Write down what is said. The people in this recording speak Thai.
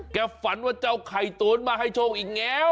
ฝันว่าเจ้าไข่ตุ๋นมาให้โชคอีกแล้ว